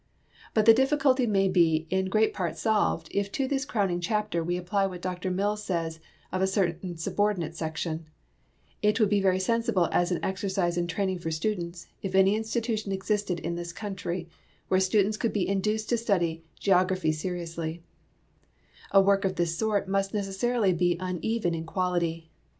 But the difficulty may be in great part solved if to this crowning chapter we apply what Dr Mill says of a certain subordinate section ;" It would be very suitable as an exercise and training for students if any institution existed in this coun try where students could he induced to study geography seri ousl}\" A work of this sort must necessarily be uneven in quality.